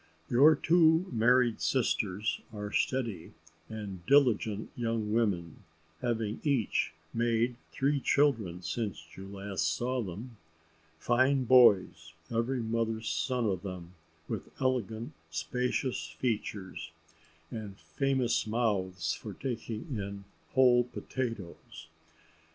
"Your two married sisters are steady and diligent young women, having each made three children since you last saw them. Fine boys, every mother's son of them, with elegant spacious features, and famous mouths for taking in whole potatoes.